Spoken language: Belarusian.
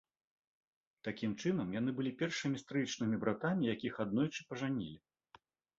Такім чынам, яны былі першымі стрыечнымі братамі, якіх аднойчы пажанілі.